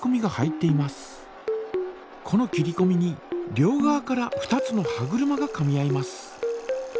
この切りこみに両側から２つの歯車がかみ合います。